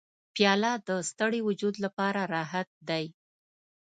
پیاله د ستړي وجود لپاره راحت دی.